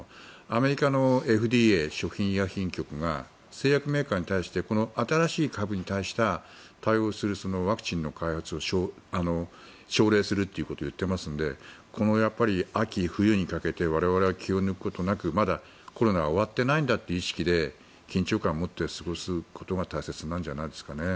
アメリカのＦＤＡ・食品医薬品局が製薬メーカーに対して新しい株に対した対応するワクチンの開発を奨励するということを言っていますのでこの秋冬にかけて我々は気を抜くことなくまだコロナは終わってないんだという意識で緊張感を持って過ごすことが大切なんじゃないですかね。